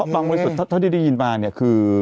บางบริษัทที่ได้ยินมาคือ